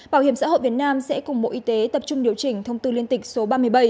bảo hiểm xã hội việt nam sẽ cùng bộ y tế tập trung điều chỉnh thông tư liên tịch số ba mươi bảy